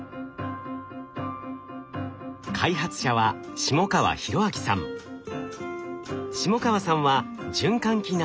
開発者は下川さんは循環器内科医。